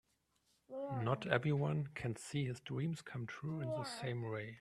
Not everyone can see his dreams come true in the same way.